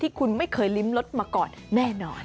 คุณไม่เคยลิ้มรสมาก่อนแน่นอน